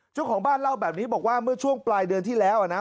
เจ้าของบ้านเล่าแบบนี้บอกว่าเมื่อช่วงปลายเดือนที่แล้วนะ